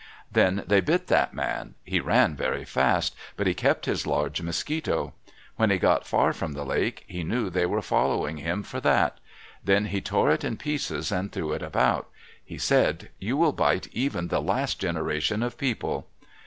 Then they bit that man. He ran very fast, but he kept his large Mosquito. When he got far from the lake, he knew they were following him for that. Then he tore it in pieces and threw it about. He said, "You will bite even the last generation of people."